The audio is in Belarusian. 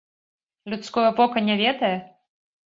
Людское вока не ведае?